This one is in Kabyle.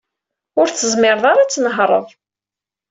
Ur tezmireḍ ara ad tnehṛeḍ.